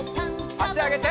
あしあげて。